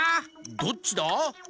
「どっちだ？」